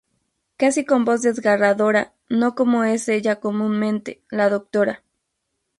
Casi con voz desgarradora, no como es ella comúnmente, la Dra.